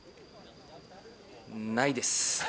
ないです。